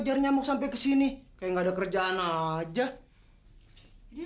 jangan pasang realmente éché lokasi